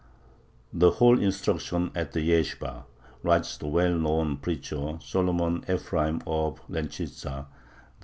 The whole instruction at the yeshibah writes the well known preacher Solomon Ephraim of Lenchitza (d.